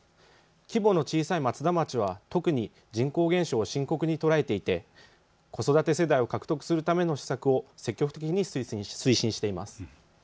規模の小さい松田町は特に人口減少を深刻に捉えていて子育て世代を獲得するための施策を積極的に推進しています。